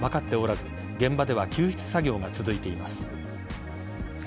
出火の原因は分かっておらず現場では救出作業が続いています。